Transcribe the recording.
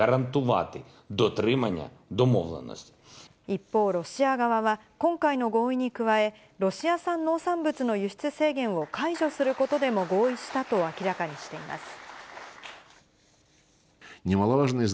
一方、ロシア側は今回の合意に加え、ロシア産農産物の輸出制限を解除することでも合意したと明らかにしています。